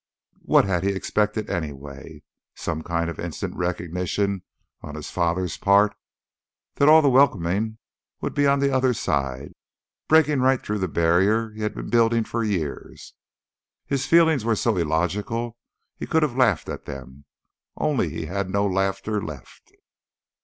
What had he expected, anyway? Some kind of instant recognition on his father's part? That all the welcoming would be on the other side, breaking right through the barrier he had been building for years? His feelings were so illogical he could have laughed at them, only he had no laughter left.